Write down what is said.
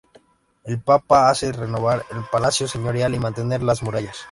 El papa hace renovar el palacio señorial y mantener las murallas.